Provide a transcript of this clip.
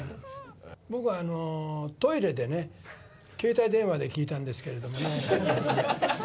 僕はトイレでね、携帯電話で聞いたんですけれども。